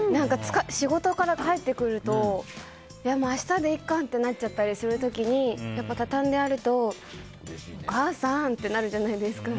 仕事から帰ってくると明日でいっかみたいになる時に畳んであると、お母さん！ってなるじゃないですか。